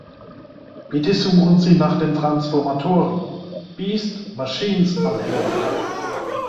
Bitte suchen Sie nach den Transformatoren: Beast Machines-Anhänger.